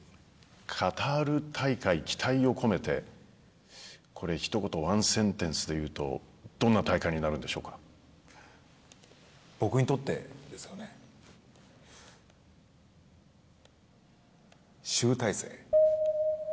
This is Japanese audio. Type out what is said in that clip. カタール大会、期待を込めてこれ一言ワンセンテンスで言うと僕にとってですかね。集大成。